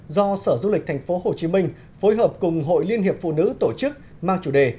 do sở du lịch tp hcm phối hợp cùng hội liên hiệp phụ nữ tổ chức mang chủ đề